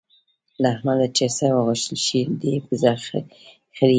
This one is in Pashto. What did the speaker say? له احمده چې څه وغوښتل شي؛ دی پزه خرېي.